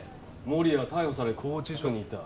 守谷は逮捕され拘置所にいた。